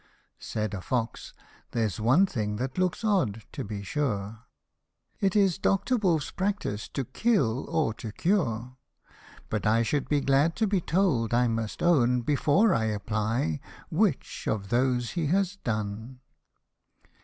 Said a fox, " There's one thing that looks odd, to be sure, It is Doctor Wolfs practice to kill or to cure ; But I should be glad to be told, I must own, Before I apply, which of those he has done."